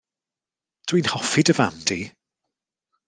Dw i'n hoffi dy fam di.